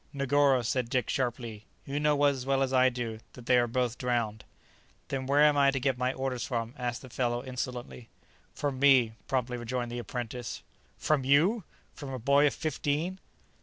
"Negoro," said Dick sharply, "you know as well as I do, that they are both drowned." "Then where am I to get my orders from?" asked the fellow insolently. "From me," promptly rejoined the apprentice. "From you! from a boy of fifteen?"